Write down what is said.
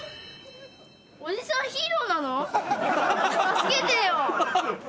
助けてよ。